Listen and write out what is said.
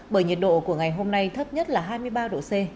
bởi nhiệt độ của ngày hôm nay thấp nhất là hai mươi ba độ c